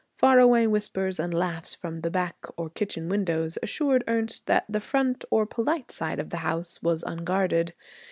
Far away whispers and laughs from the back or kitchen windows assured Ernest that the front or polite side of the house was unguarded.